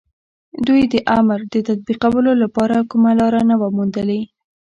دوی د امر د تطبيقولو لپاره کومه لاره نه وه موندلې.